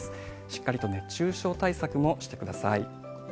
しっかりと熱中症対策もしてください。